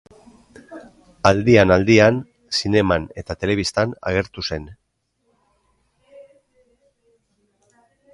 Aldian-aldian zineman eta telebistan agertu zen.